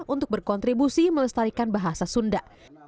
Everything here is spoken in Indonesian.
untuk berkontribusi melestarikan bahasa sunda